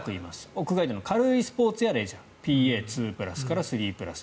屋外での軽いスポーツやレジャーＰＡ２プラスから３プラス。